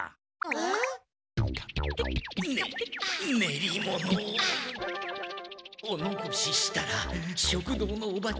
おのこししたら食堂のおばちゃんにおこられる。